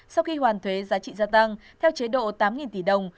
sau khi hoàn thuế giá trị gia tăng theo chế độ tám tỷ đồng